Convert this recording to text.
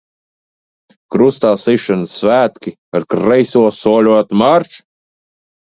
Krustā sišanas svētki, ar kreiso, soļot marš!